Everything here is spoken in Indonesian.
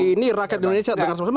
ini rakyat indonesia dengar semua